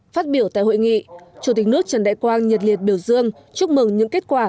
phát biểu tại hội nghị chủ tịch nước trần đại quang nhiệt liệt biểu dương chúc mừng những kết quả